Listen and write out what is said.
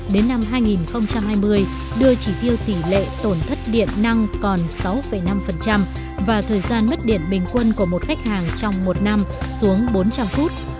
đến năm hai nghìn hai mươi đưa chỉ tiêu tỷ lệ tổn thất điện năng còn sáu năm và thời gian mất điện bình quân của một khách hàng trong một năm xuống bốn trăm linh phút